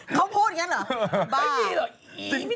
เขาพูดอย่างนั้นเหรอ